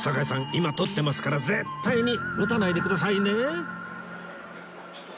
今撮ってますから絶対に撃たないでくださいね